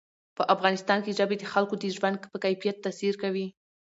په افغانستان کې ژبې د خلکو د ژوند په کیفیت تاثیر کوي.